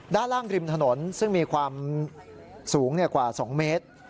ด้านล่างริมถนนซึ่งมีความสูงกว่า๒เมตร